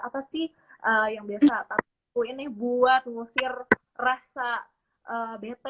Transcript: apa sih yang biasa tam tuh ini buat ngusir rasa bete